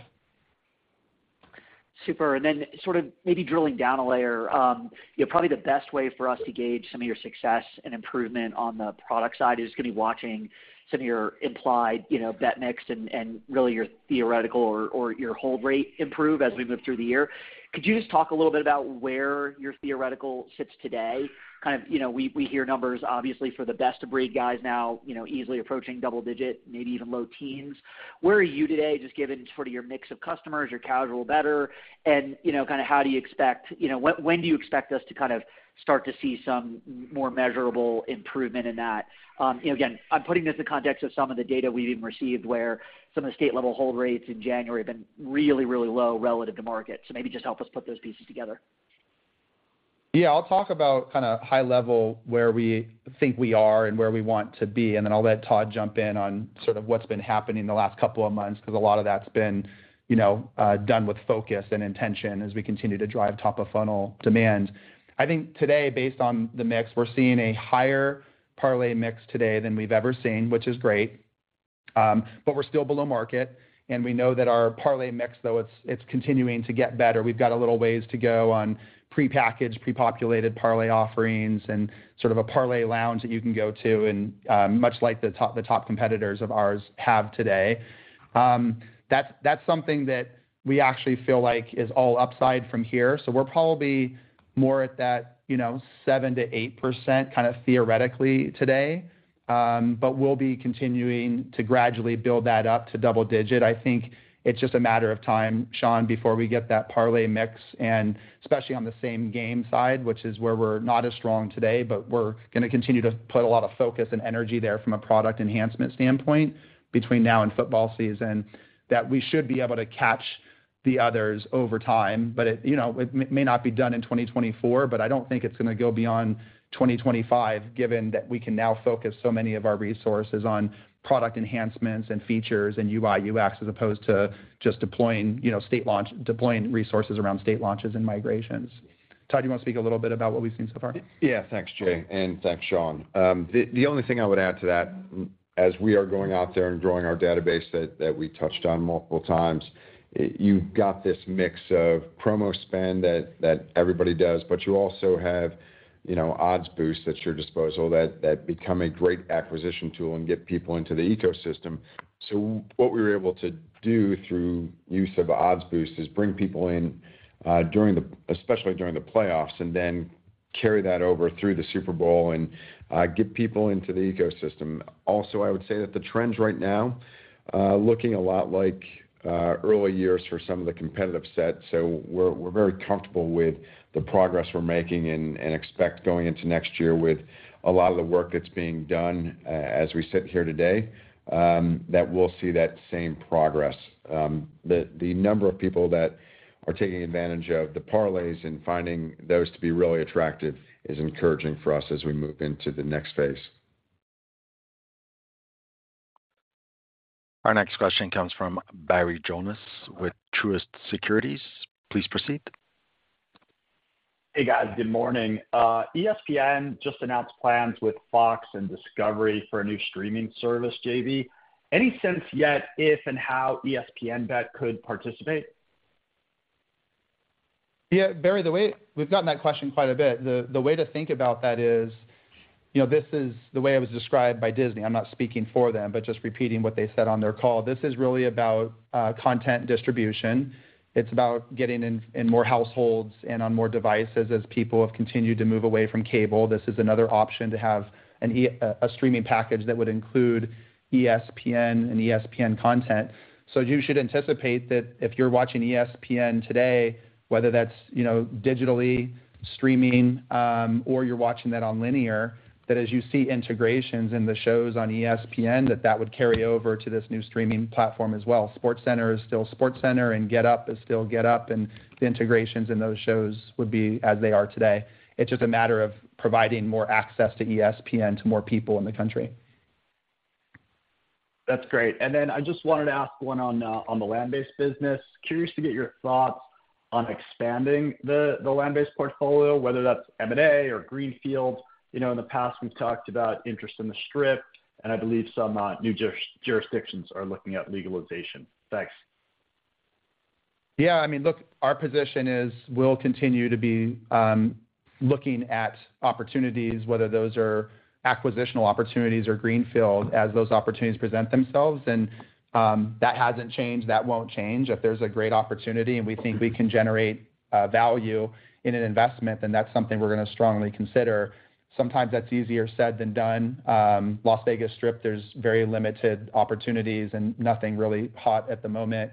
Super. Then sort of maybe drilling down a layer, probably the best way for us to gauge some of your success and improvement on the product side is going to be watching some of your implied bet mix and really your theoretical or your hold rate improve as we move through the year. Could you just talk a little bit about where your theoretical sits today? Kind of, we hear numbers, obviously, for the best-of-breed guys now easily approaching double-digit, maybe even low-teens. Where are you today just given sort of your mix of customers, your casual bettor, and kind of how and when do you expect us to kind of start to see some more measurable improvement in that? Again, I'm putting this in the context of some of the data we've even received where some of the state-level hold rates in January have been really, really low relative to market. So maybe just help us put those pieces together. Yeah. I'll talk about kind of high-level where we think we are and where we want to be, and then I'll let Todd jump in on sort of what's been happening the last couple of months because a lot of that's been done with focus and intention as we continue to drive top-of-funnel demand. I think today, based on the mix, we're seeing a higher parlay mix today than we've ever seen, which is great, but we're still below market. And we know that our parlay mix, though, it's continuing to get better. We've got a little ways to go on prepackaged, prepopulated parlay offerings and sort of a parlay lounge that you can go to, much like the top competitors of ours have today. That's something that we actually feel like is all upside from here. So we're probably more at that 7%-8% kind of theoretically today, but we'll be continuing to gradually build that up to double-digit. I think it's just a matter of time, Shaun, before we get that parlay mix, especially on the same game side, which is where we're not as strong today, but we're going to continue to put a lot of focus and energy there from a product enhancement standpoint between now and football season, that we should be able to catch the others over time. But it may not be done in 2024, but I don't think it's going to go beyond 2025 given that we can now focus so many of our resources on product enhancements and features and UI/UX as opposed to just deploying resources around state launches and migrations. Todd, do you want to speak a little bit about what we've seen so far? Yeah. Thanks, Jay, and thanks, Shaun. The only thing I would add to that, as we are going out there and growing our database that we touched on multiple times, you've got this mix of promo spend that everybody does, but you also have odds boosts at your disposal that become a great acquisition tool and get people into the ecosystem. So what we were able to do through use of odds boosts is bring people in, especially during the playoffs, and then carry that over through the Super Bowl and get people into the ecosystem. Also, I would say that the trend's right now looking a lot like early years for some of the competitive sets. So we're very comfortable with the progress we're making and expect going into next year with a lot of the work that's being done as we sit here today that we'll see that same progress. The number of people that are taking advantage of the parlays and finding those to be really attractive is encouraging for us as we move into the next phase. Our next question comes from Barry Jonas with Truist Securities. Please proceed. Hey, guys. Good morning. ESPN just announced plans with Fox and Discovery for a new streaming service, JV. Any sense yet if and how ESPN Bet could participate? Yeah. Barry, we've gotten that question quite a bit. The way to think about that is this is the way it was described by Disney. I'm not speaking for them, but just repeating what they said on their call. This is really about content distribution. It's about getting in more households and on more devices as people have continued to move away from cable. This is another option to have a streaming package that would include ESPN and ESPN content. So you should anticipate that if you're watching ESPN today, whether that's digitally streaming or you're watching that on linear, that as you see integrations in the shows on ESPN, that that would carry over to this new streaming platform as well. SportsCenter is still SportsCenter, and Get Up is still Get Up, and the integrations in those shows would be as they are today. It's just a matter of providing more access to ESPN to more people in the country. That's great. Then I just wanted to ask one on the land-based business. Curious to get your thoughts on expanding the land-based portfolio, whether that's M&A or greenfield. In the past, we've talked about interest in the Strip, and I believe some new jurisdictions are looking at legalization. Thanks. Yeah. I mean, look, our position is we'll continue to be looking at opportunities, whether those are acquisitional opportunities or greenfield, as those opportunities present themselves. That hasn't changed. That won't change. If there's a great opportunity and we think we can generate value in an investment, then that's something we're going to strongly consider. Sometimes that's easier said than done. Las Vegas Strip, there's very limited opportunities and nothing really hot at the moment.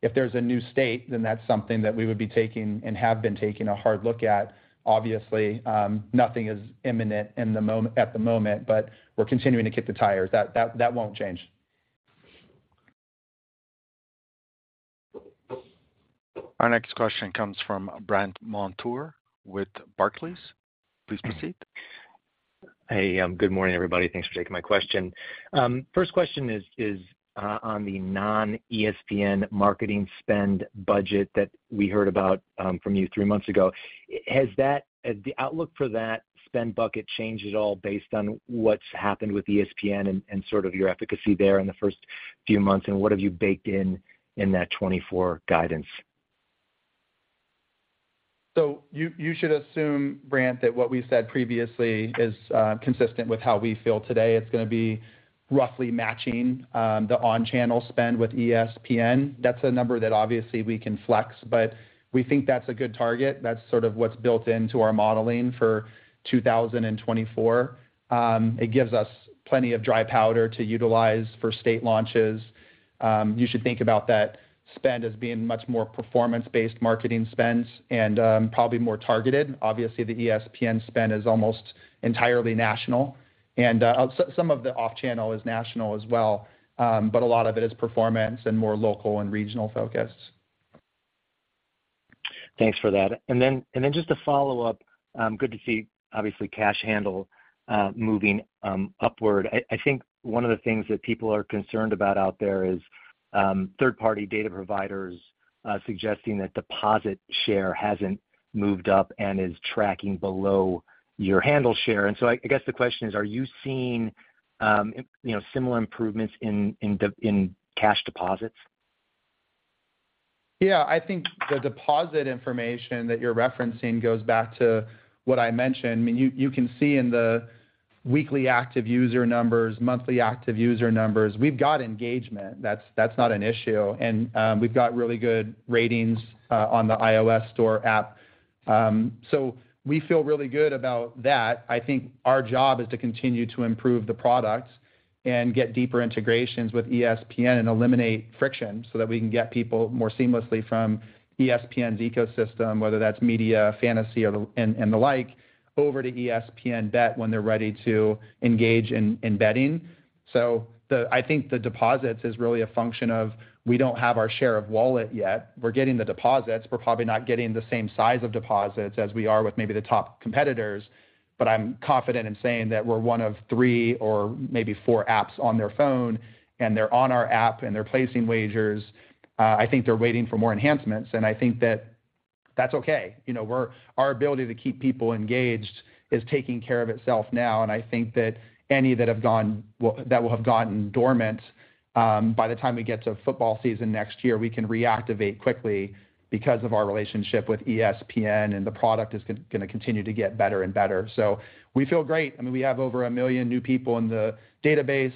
If there's a new state, then that's something that we would be taking and have been taking a hard look at. Obviously, nothing is imminent at the moment, but we're continuing to kick the tires. That won't change. Our next question comes from Brandt Montour with Barclays. Please proceed. Hey. Good morning, everybody. Thanks for taking my question. First question is on the non-ESPN marketing spend budget that we heard about from you three months ago. Has the outlook for that spend bucket changed at all based on what's happened with ESPN and sort of your efficacy there in the first few months, and what have you baked in that 2024 guidance? So you should assume, Brandt, that what we said previously is consistent with how we feel today. It's going to be roughly matching the on-channel spend with ESPN. That's a number that, obviously, we can flex, but we think that's a good target. That's sort of what's built into our modeling for 2024. It gives us plenty of dry powder to utilize for state launches. You should think about that spend as being much more performance-based marketing spends and probably more targeted. Obviously, the ESPN spend is almost entirely national, and some of the off-channel is national as well, but a lot of it is performance and more local and regional-focused. Thanks for that. And then just to follow up, good to see, obviously, cash handle moving upward. I think one of the things that people are concerned about out there is third-party data providers suggesting that deposit share hasn't moved up and is tracking below your handle share. And so I guess the question is, are you seeing similar improvements in cash deposits? Yeah. I think the deposit information that you're referencing goes back to what I mentioned. I mean, you can see in the weekly active user numbers, monthly active user numbers, we've got engagement. That's not an issue, and we've got really good ratings on the iOS store app. So we feel really good about that. I think our job is to continue to improve the product and get deeper integrations with ESPN and eliminate friction so that we can get people more seamlessly from ESPN's ecosystem, whether that's media, fantasy, and the like, over to ESPN Bet when they're ready to engage in betting. So I think the deposits is really a function of we don't have our share of wallet yet. We're getting the deposits. We're probably not getting the same size of deposits as we are with maybe the top competitors, but I'm confident in saying that we're one of three or maybe four apps on their phone, and they're on our app, and they're placing wagers. I think they're waiting for more enhancements, and I think that that's okay. Our ability to keep people engaged is taking care of itself now, and I think that any that will have gotten dormant, by the time we get to football season next year, we can reactivate quickly because of our relationship with ESPN, and the product is going to continue to get better and better. So we feel great. I mean, we have over 1 million new people in the database.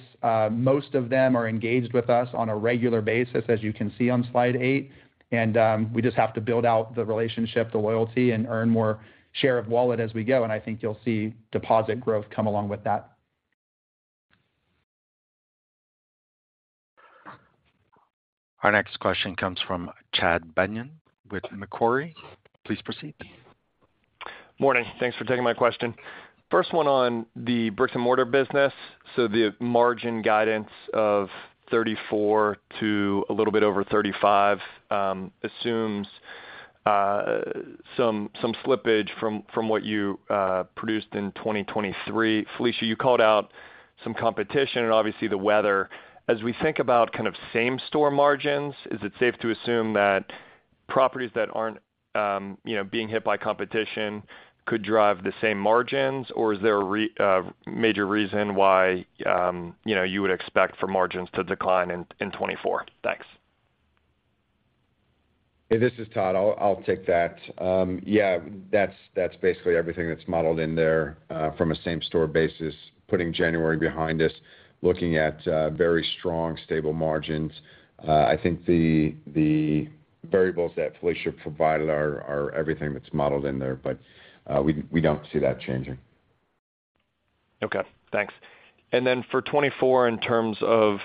Most of them are engaged with us on a regular basis, as you can see on Slide eight, and we just have to build out the relationship, the loyalty, and earn more share of wallet as we go. I think you'll see deposit growth come along with that. Our next question comes from Chad Beynon with Macquarie. Please proceed. Morning. Thanks for taking my question. First one on the brick-and-mortar business. So the margin guidance of 34 to a little bit over 35 assumes some slippage from what you produced in 2023. Felicia, you called out some competition and, obviously, the weather. As we think about kind of same-store margins, is it safe to assume that properties that aren't being hit by competition could drive the same margins, or is there a major reason why you would expect for margins to decline in 2024? Thanks. Hey, this is Todd. I'll take that. Yeah. That's basically everything that's modeled in there from a same-store basis, putting January behind us, looking at very strong, stable margins. I think the variables that Felicia provided are everything that's modeled in there, but we don't see that changing. Okay. Thanks. And then for 2024, in terms of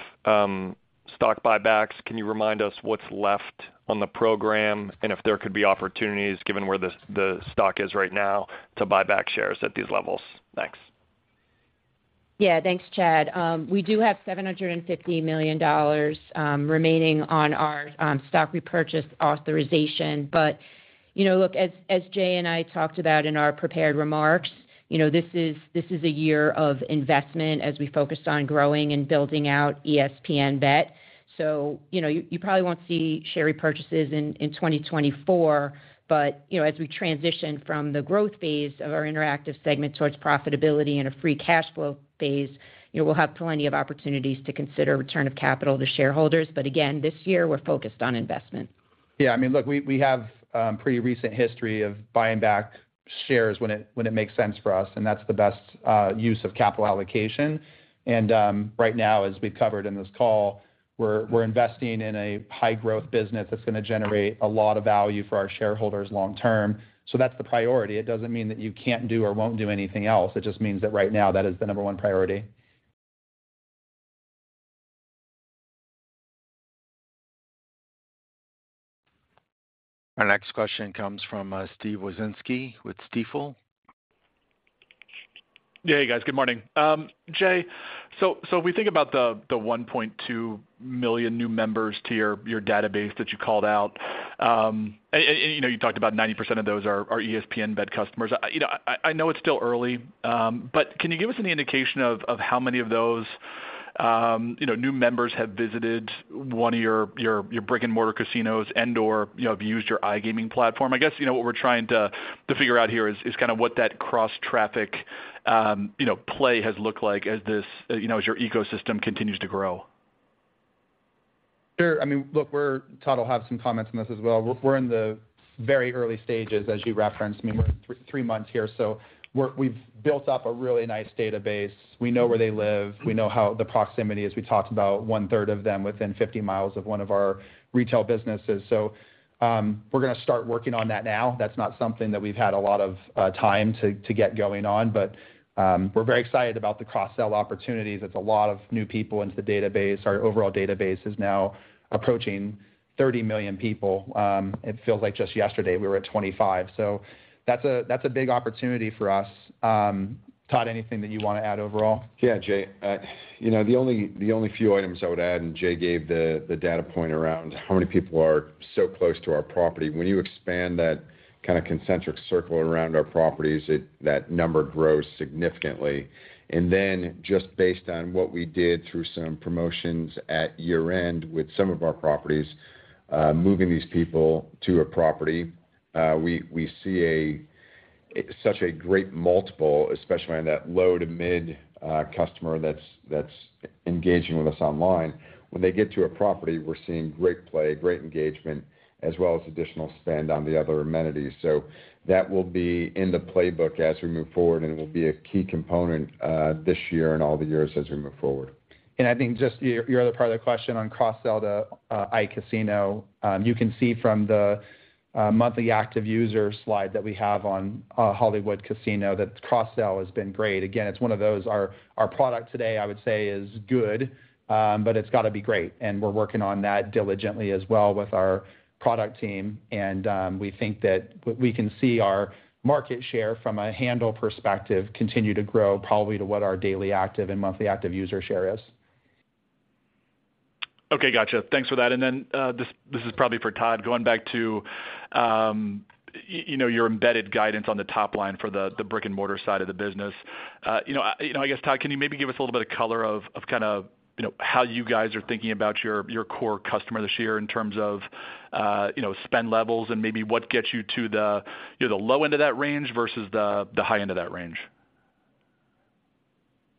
stock buybacks, can you remind us what's left on the program and if there could be opportunities, given where the stock is right now, to buy back shares at these levels? Thanks. Yeah. Thanks, Chad. We do have $750 million remaining on our stock repurchase authorization. But look, as Jay and I talked about in our prepared remarks, this is a year of investment as we focus on growing and building out ESPN Bet. So you probably won't see share repurchases in 2024, but as we transition from the growth phase of our interactive segment towards profitability and a free cash flow phase, we'll have plenty of opportunities to consider return of capital to shareholders. But again, this year, we're focused on investment. Yeah. I mean, look, we have pretty recent history of buying back shares when it makes sense for us, and that's the best use of capital allocation. And right now, as we've covered in this call, we're investing in a high-growth business that's going to generate a lot of value for our shareholders long term. So that's the priority. It doesn't mean that you can't do or won't do anything else. It just means that right now, that is the number one priority. Our next question comes from Steve Wieczynski with Stifel. Yeah, hey, guys. Good morning. Jay, so if we think about the 1.2 million new members to your database that you called out, and you talked about 90% of those are ESPN Bet customers, I know it's still early, but can you give us any indication of how many of those new members have visited one of your brick-and-mortar casinos and/or have used your iGaming platform? I guess what we're trying to figure out here is kind of what that cross-traffic play has looked like as your ecosystem continues to grow. Sure. I mean, look, Todd will have some comments on this as well. We're in the very early stages, as you referenced. I mean, we're in three months here. So we've built up a really nice database. We know where they live. We know the proximity as we talked about, one-third of them within 50 mi of one of our retail businesses. So we're going to start working on that now. That's not something that we've had a lot of time to get going on, but we're very excited about the cross-sell opportunities. It's a lot of new people into the database. Our overall database is now approaching 30 million people. It feels like just yesterday, we were at 25. So that's a big opportunity for us. Todd, anything that you want to add overall? Yeah, Jay. The only few items I would add, and Jay gave the data point around how many people are so close to our property. When you expand that kind of concentric circle around our properties, that number grows significantly. And then just based on what we did through some promotions at year-end with some of our properties, moving these people to a property, we see such a great multiple, especially on that low to mid customer that's engaging with us online. When they get to a property, we're seeing great play, great engagement, as well as additional spend on the other amenities. So that will be in the playbook as we move forward, and it will be a key component this year and all the years as we move forward. And I think just your other part of the question on cross-sell to iCasino, you can see from the monthly active user slide that we have on Hollywood Casino that cross-sell has been great. Again, it's one of those. Our product today, I would say, is good, but it's got to be great. We're working on that diligently as well with our product team, and we think that we can see our market share from a handle perspective continue to grow probably to what our daily active and monthly active user share is. Okay. Gotcha. Thanks for that. And then this is probably for Todd. Going back to your embedded guidance on the top line for the brick-and-mortar side of the business, I guess, Todd, can you maybe give us a little bit of color of kind of how you guys are thinking about your core customer this year in terms of spend levels and maybe what gets you to the low end of that range versus the high end of that range?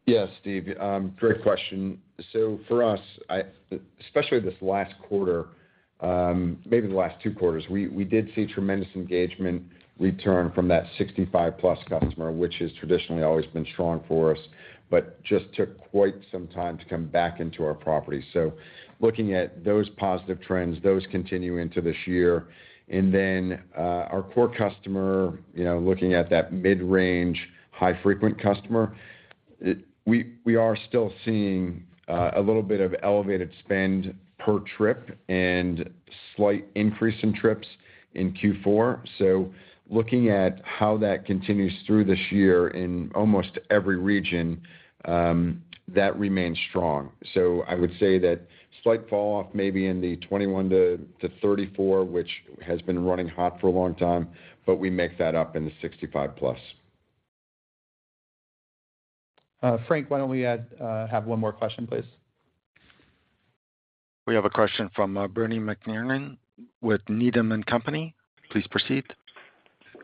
Yes, Steven. Great question. So for us, especially this last quarter, maybe the last two quarters, we did see tremendous engagement return from that 65+ customer, which has traditionally always been strong for us but just took quite some time to come back into our property. So looking at those positive trends, those continue into this year. And then our core customer, looking at that mid-range, high-frequent customer, we are still seeing a little bit of elevated spend per trip and slight increase in trips in Q4. So looking at how that continues through this year in almost every region, that remains strong. So I would say that slight falloff maybe in the 21-34, which has been running hot for a long time, but we make that up in the 65+. Frank, why don't we have one more question, please? We have a question from Bernie McTernan with Needham & Company. Please proceed.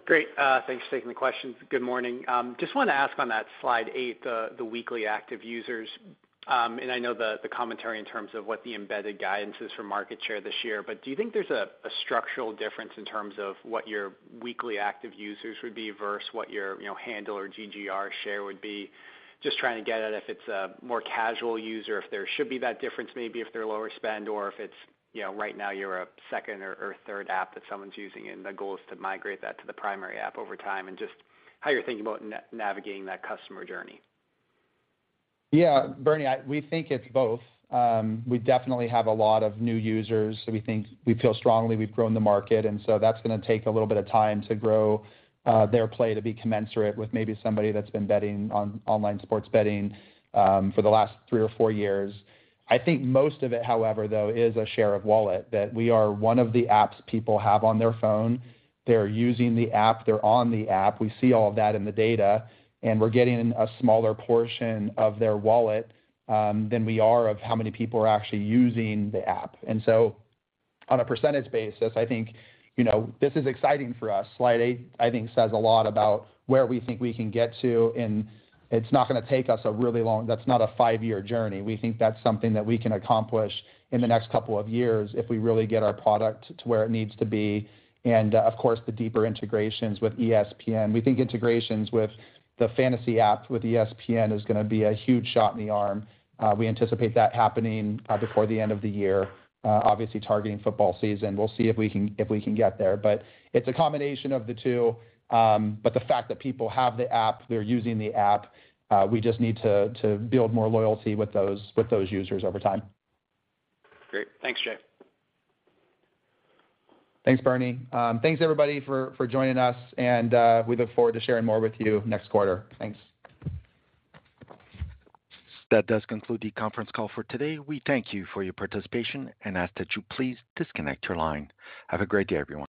Great. Thanks for taking the question. Good morning. Just wanted to ask on that Slide eight, the weekly active users, and I know the commentary in terms of what the embedded guidance is for market share this year, but do you think there's a structural difference in terms of what your weekly active users would be versus what your handle or GGR share would be? Just trying to get at if it's a more casual user, if there should be that difference maybe if they're lower spend, or if it's right now, you're a second or third app that someone's using, and the goal is to migrate that to the primary app over time, and just how you're thinking about navigating that customer journey? Yeah. Bernie, we think it's both. We definitely have a lot of new users, so we feel strongly we've grown the market. So that's going to take a little bit of time to grow their play to be commensurate with maybe somebody that's been betting on online sports betting for the last three or four years. I think most of it, however, though, is a share of wallet, that we are one of the apps people have on their phone. They're using the app. They're on the app. We see all of that in the data, and we're getting a smaller portion of their wallet than we are of how many people are actually using the app. And so on a percentage basis, I think this is exciting for us. Slide eight, I think, says a lot about where we think we can get to, and it's not going to take us a really long, that's not a five-year journey. We think that's something that we can accomplish in the next couple of years if we really get our product to where it needs to be. Of course, the deeper integrations with ESPN. We think integrations with the fantasy app with ESPN is going to be a huge shot in the arm. We anticipate that happening before the end of the year, obviously targeting football season. We'll see if we can get there. But it's a combination of the two. The fact that people have the app, they're using the app, we just need to build more loyalty with those users over time. Great. Thanks, Jay. Thanks, Bernie. Thanks, everybody, for joining us, and we look forward to sharing more with you next quarter. Thanks. That does conclude the conference call for today. We thank you for your participation and ask that you please disconnect your line. Have a great day, everyone.